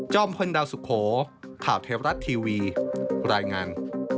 พลดาวสุโขข่าวเทวรัฐทีวีรายงาน